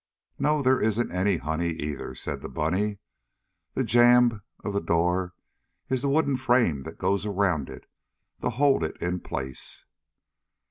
"No, there isn't any honey, either," said the bunny. "The jamb of the door is the wooden frame that goes around it, to hold it in place."